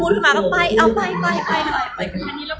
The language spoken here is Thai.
หรือว่าเหมือนเดิมเหมือนเเต็มแล้ว